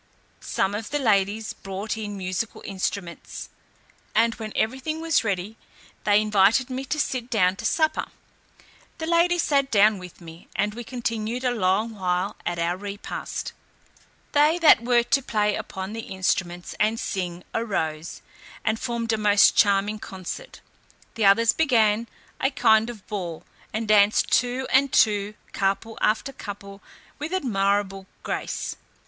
Some of the ladies brought in musical instruments, and when everything was ready, they invited me to sit down to supper. The ladies sat down with me, and we continued a long while at our repast. They that were to play upon the instruments and sing arose, and formed a most charming concert. The others began a kind of ball, and danced two and two, couple after couple, with admirable grace.